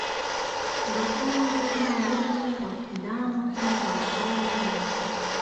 تر ټولو لږو وکیلانو ته ورغلی وم.